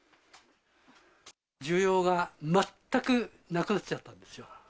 需要が全くなくなっちゃったんですよ。